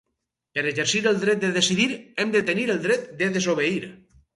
Per exercir el dret de decidir hem de tenir el dret de desobeir.